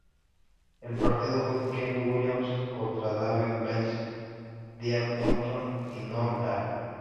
El partido fue Kenny Williams contra Davey Blaze, Liam Thompson y Noam Dar.